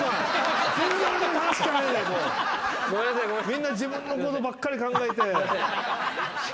みんな自分のことばっかり考えて。